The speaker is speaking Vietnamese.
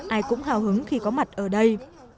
ai cũng hào hứng khi có mặt ở đây